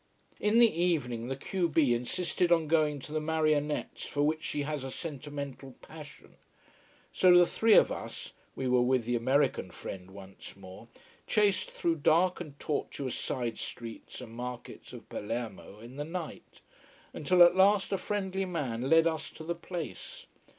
In the evening the q b insisted on going to the marionettes, for which she has a sentimental passion. So the three of us we were with the American friend once more chased through dark and tortuous side streets and markets of Palermo in the night, until at last a friendly man led us to the place.